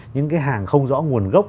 những cái hàng không rõ nguồn gốc